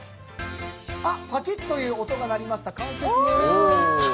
パキッという音が鳴りました。